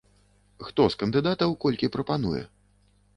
Хто з кандыдатаў колькі прапануе?